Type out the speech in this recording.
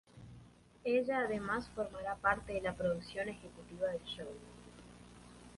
Elle además formará parte de la producción ejecutiva del show.